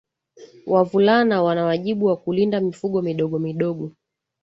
Wavulana wana wajibu wa kulinda mifugo midogo midogo